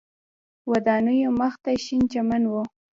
ودانیو مخ ته شین چمن و.